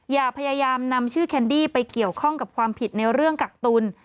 อย่าพยายามนำชื่อแคนดี้ไปเกี่ยวข้องกับความผิดในเรื่องกักตุล